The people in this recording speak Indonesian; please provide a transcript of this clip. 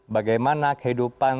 bagaimana yang akan berlaku di jawa barat